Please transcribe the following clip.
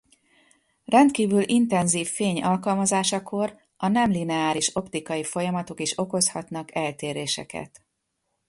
Rendkívül intenzív fény alkalmazásakor a nemlineáris optikai folyamatok is okozhatnak eltéréseket.